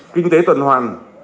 kinh tế tuần hoàn